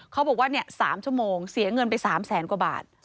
เขาบอกว่า๓ชั่วโมงเสียเงินไป๓แสนกว่าบาท